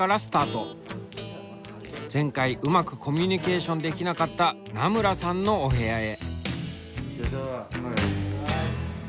前回うまくコミュニケーションできなかった名村さんのお部屋へ。